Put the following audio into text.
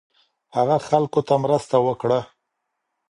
هغه خلکو ته مرسته وکړه